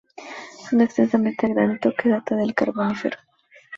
Es una extensa meseta de granito que data del Carbonífero.